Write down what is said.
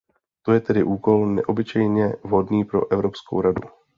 To je tedy úkol neobyčejně vhodný pro Evropskou radu.